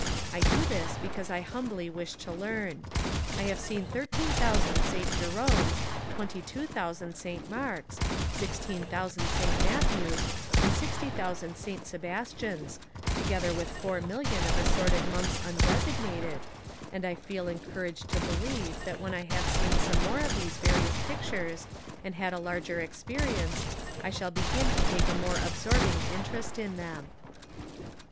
I do this because I humbly wish to learn. I have seen thirteen thousand St. Jeromes, twenty two thousand St. Marks, sixteen thousand St. Matthews and sixty thousand St. Sebastians, together with four million of assorted monks undesignated, and I feel en couraged to believe that when I have seen some more of these various pictures and had a larger experience I shall begin to take a more absorbing interest in them."